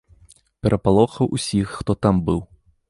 Перапалохаў усіх, хто там быў.